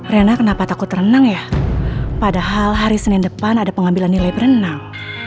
rena kenapa takut renang ya padahal hari senin depan ada pengambilan nilai berenang